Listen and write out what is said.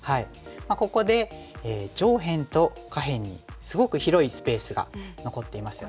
ここで上辺と下辺にすごく広いスペースが残っていますよね。